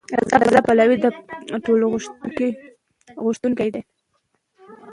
رضا پهلوي د ملي ټولپوښتنې غوښتونکی دی.